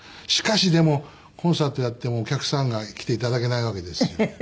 しかしでもコンサートやってもお客さんが来て頂けないわけですよ。